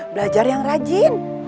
belajar yang rajin